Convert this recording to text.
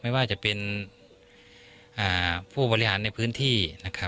ไม่ว่าจะเป็นผู้บริหารในพื้นที่